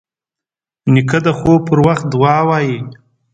نیکه د خوب پر وخت دعا وايي.